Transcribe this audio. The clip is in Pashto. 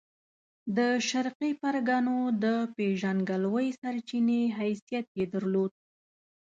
د شرقي پرګنو د پېژندګلوۍ سرچینې حیثیت یې درلود.